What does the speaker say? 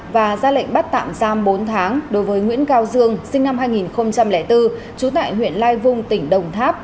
và ra lệnh bắt tạm giam bốn tháng đối với nguyễn cao dương sinh năm hai nghìn bốn trú tại huyện lai vung tỉnh đồng tháp